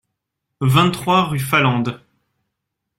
vingt-trois rue Falande